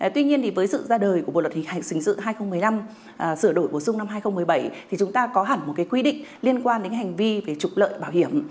tuy nhiên thì với sự ra đời của bộ luật hình hành trình sự hai nghìn một mươi năm sửa đổi bổ sung năm hai nghìn một mươi bảy thì chúng ta có hẳn một quy định liên quan đến hành vi về trục lợi bảo hiểm